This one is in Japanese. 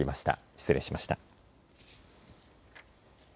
失礼しました。